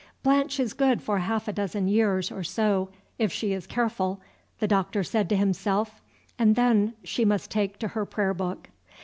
"Blanche is good for half a dozen years or so, if she is careful," the Doctor said to himself, "and then she must take to her prayer book."